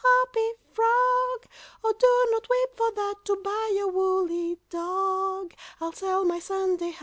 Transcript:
Hoppy Frog, Oh! do not weep for that! To buy your woolly dog I'll sell my Sunday hat."